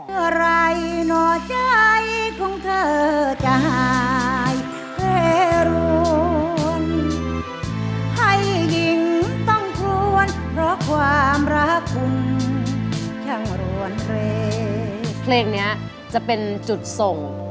เพลงนี้จะเป็นจุดส่ง